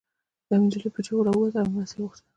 يوه انجلۍ په چيغو راووتله او مرسته يې غوښته